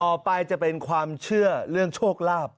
อะกลายจะเป็นความเชื่อเรื่องโชคลาบ